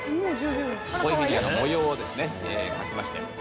こういうふうに模様を描きまして。